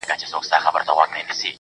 نه ددغو متعصبينو خوا په بده ده